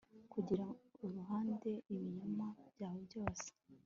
kugirango uhindure ibinyoma byawe byose